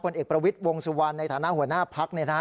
เอกประวิทย์วงสุวรรณในฐานะหัวหน้าพัก